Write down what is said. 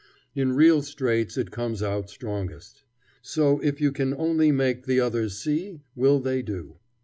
In real straits it comes out strongest. So, if you can only make the others see, will they do.